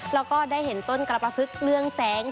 แล้วก็ได้เห็นต้นกระปะพึกเรื่องแสง